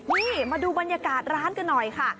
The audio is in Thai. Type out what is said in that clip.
นี่มาดูบรรยากาศร้านกันหน่อยค่ะ